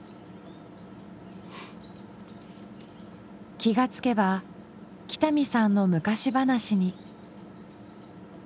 気が付けば北見さんの昔話に。